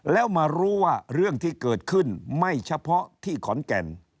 แล้วมารู้ว่าเรื่องที่เกิดขึ้นไม่เฉพาะที่ขอนแก่น